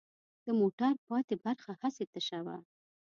د موټر پاتې برخه هسې تشه وه.